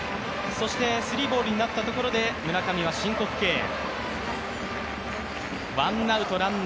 スリーボールになったところで村上は申告敬遠。